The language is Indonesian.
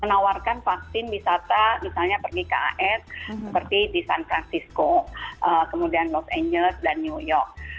menawarkan vaksin wisata misalnya pergi ke as seperti di san francisco kemudian los angeles dan new york